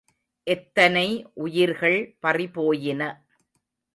எத்தனை உயிர்கள் பறிபோயின.